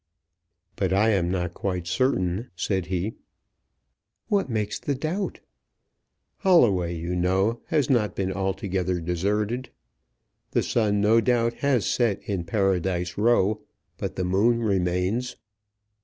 "But I am not quite certain," said he. "What makes the doubt?" "Holloway, you know, has not been altogether deserted. The sun no doubt has set in Paradise Row, but the moon remains."